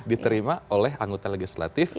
diterima oleh anggota legislatif